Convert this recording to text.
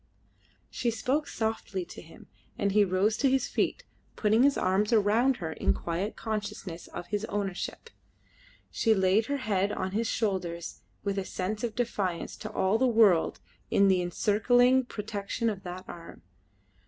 She spoke softly to him, and he rose to his feet, putting his arm round her in quiet consciousness of his ownership; she laid her head on his shoulder with a sense of defiance to all the world in the encircling protection of that arm.